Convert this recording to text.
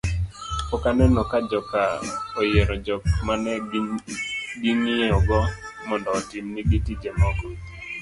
pok aneno ka joka oyiero jok mane ging'iyogo mondo otim nigi tije moko